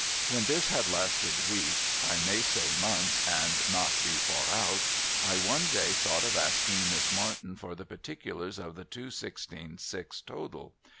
When this had lasted weeks, — I may say months, and not be far out, — I one day thought of asking Miss Martin for the particulars of the Two sixteen six total.